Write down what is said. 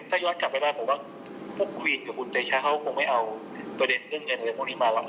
ผมว่าถ้ายอดกลับไปได้ผมว่าพวกคุยกับบุญเจ้าเขาคงไม่เอาประเด็นเรื่องเงินหรือเรื่องพวกนี้มา